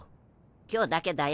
今日だけだよ。